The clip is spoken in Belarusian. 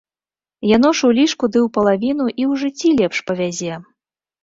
Яно ж у лішку ды ў палавіну і ў жыцці лепш павязе.